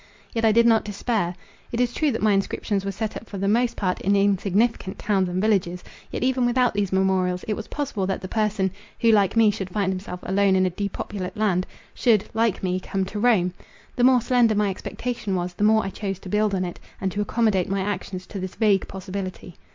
Yet I did not despair. It is true that my inscriptions were set up for the most part, in insignificant towns and villages; yet, even without these memorials, it was possible that the person, who like me should find himself alone in a depopulate land, should, like me, come to Rome. The more slender my expectation was, the more I chose to build on it, and to accommodate my actions to this vague possibility.